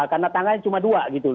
karena tangannya cuma dua gitu